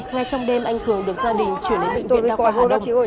ngay trong đêm anh cường được gia đình chuyển đến bệnh viện đa khoa hà đông